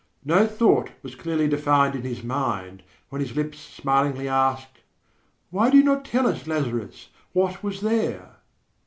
No thought was clearly defined in his mind, when his lips smilingly asked: "Why do you not tell us, Lazarus, what was There?"